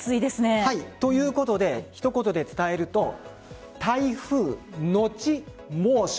ということで、一言で伝えると台風のち猛暑。